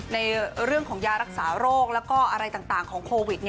ในเรื่องของยารักษาโรคแล้วก็อะไรต่างของโควิด